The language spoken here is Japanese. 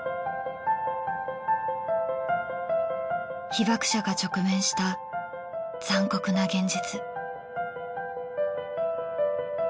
被爆者が直面した残酷な現実。